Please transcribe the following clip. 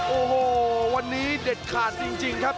โอ้โหวันนี้เด็ดขาดจริงครับ